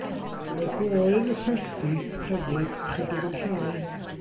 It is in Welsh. Mae glöyn y perthi, hefyd, ychydig yn llai.